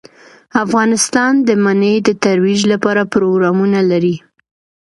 افغانستان د منی د ترویج لپاره پروګرامونه لري.